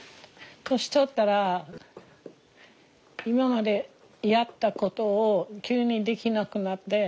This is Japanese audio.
年取ったら今までやったことを急にできなくなって。